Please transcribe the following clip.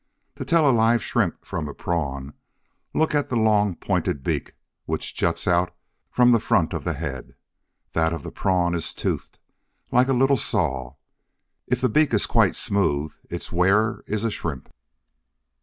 To tell a live Shrimp from a Prawn, look at the long pointed beak which juts out from the front of the head. That of the Prawn is toothed, like a little saw. If the beak is quite smooth its wearer is a Shrimp.